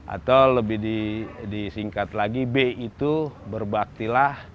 atau lebih disingkat lagi b itu berbaktilah